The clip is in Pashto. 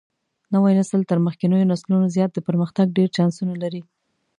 نوى نسل تر مخکېنيو نسلونو زيات د پرمختګ ډېر چانسونه لري.